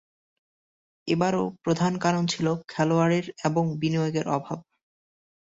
এবারও প্রধান কারণ ছিল খেলোয়াড়ের এবং বিনিয়োগের অভাব।